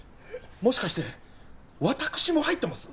もしかして私も入ってます？